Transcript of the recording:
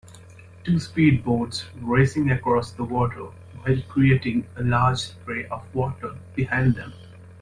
Two speed boats racing across the water while creating a large spray of water behind them.